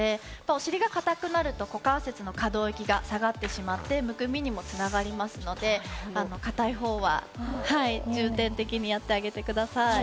お尻がかたくなると股関節の可動域が下がってむくみにも繋がりますので、硬い方は重点的にやってあげてください。